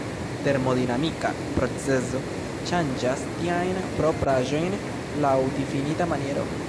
Termodinamika procezo ŝanĝas tiajn propraĵojn laŭ difinita maniero.